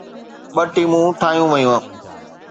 ٻه ٽيمون ٺاهيون ويون